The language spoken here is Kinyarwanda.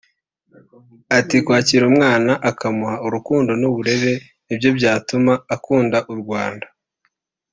Ati “Kwakira umwana ukamuha urukundo n’uburere nibyo byatuma akunda u Rwanda